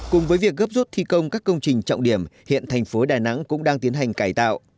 cùng với việc gấp rút thi công các công trình trọng điểm hiện thành phố đà nẵng cũng đang tiến hành cải tạo